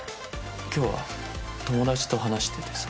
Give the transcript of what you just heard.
今日は友達と話しててさ。